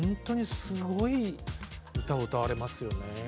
すごい歌を歌われますね。